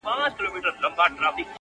علم انسان ته حقیقي ځواک ورکوي!.